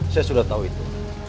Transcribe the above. saya sudah tahu itu